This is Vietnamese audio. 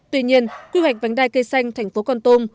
tuy nhiên quy hoạch vánh đai cây xanh thành phố công tâm